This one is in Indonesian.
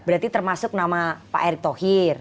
berarti termasuk nama pak erick thohir